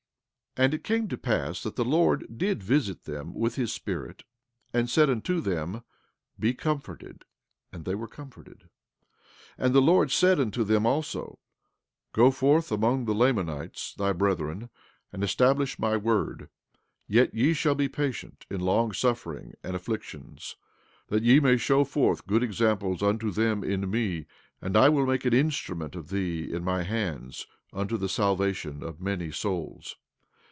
17:10 And it came to pass that the Lord did visit them with his Spirit, and said unto them: Be comforted. And they were comforted. 17:11 And the Lord said unto them also: Go forth among the Lamanites, thy brethren, and establish my word; yet ye shall be patient in long suffering and afflictions, that ye may show forth good examples unto them in me, and I will make an instrument of thee in my hands unto the salvation of many souls.